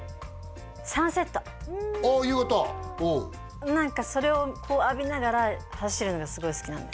ああ夕方うん何かそれをこう浴びながら走るのがすごい好きなんです